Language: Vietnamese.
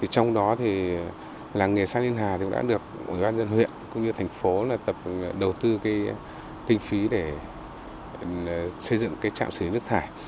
trong đó làng nghề săn yên hà đã được mỗi ban dân huyện cũng như thành phố đầu tư kinh phí để xây dựng trạm xử lý nước thải